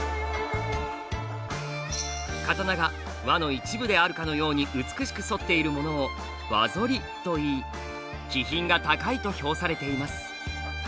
刀が輪の一部であるかのように美しく反っているものを「輪反り」といい「気品が高い」と評されています。